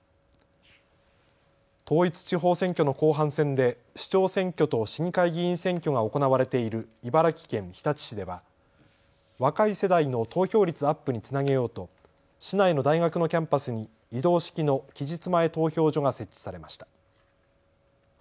統一地方選挙の後半戦で市長選挙と市議会議員選挙が行われている茨城県日立市では若い世代の投票率アップにつなげようと市内の大学のキャンパスに移動式の期日前投票所が設置されました。